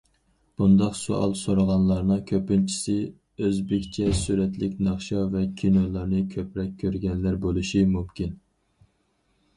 بۇنداق سوئال سورىغانلارنىڭ كۆپىنچىسى ئۆزبېكچە سۈرەتلىك ناخشا ۋە كىنولارنى كۆپرەك كۆرگەنلەر بولۇشى مۇمكىن.